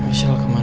michelle kemana pak